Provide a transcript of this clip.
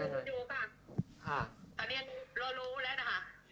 อยู่ค่ะตอนนี้รู้รู้แล้วนะคะ